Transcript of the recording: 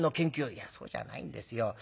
「いやそうじゃないんですよ。